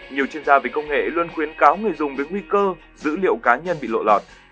nhiều chuyên gia về công nghệ luôn khuyến cáo người dùng với nguy cơ dữ liệu cá nhân bị lộ lọt